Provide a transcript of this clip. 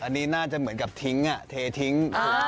อันนี้น่าจะเหมือนกับทิ้งเททิ้ง